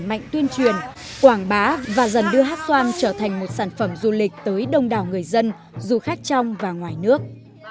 để mạnh tuyên truyền quảng bá và dần đưa hát xoan trở thành một sản phẩm du lịch tới đông đảo người dân du khách trong và ngoài nước